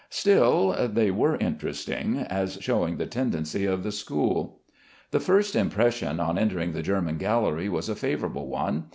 Still they were interesting, as showing the tendency of the school. The first impression on entering the German gallery was a favorable one.